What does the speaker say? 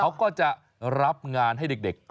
เขาก็จะรับงานให้เด็ก